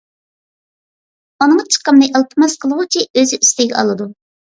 ئۇنىڭ چىقىمىنى ئىلتىماس قىلغۇچى ئۆزى ئۈستىگە ئالىدۇ.